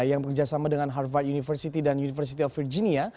yang bekerjasama dengan harvard university dan university of virginia